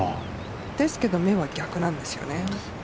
ですけど、目は逆なんです。